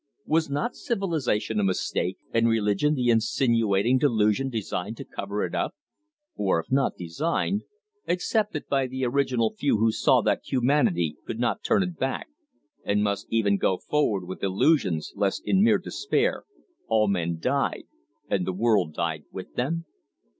Was not civilisation a mistake, and religion the insinuating delusion designed to cover it up; or, if not designed, accepted by the original few who saw that humanity could not turn back, and must even go forward with illusions, lest in mere despair all men died and the world died with them?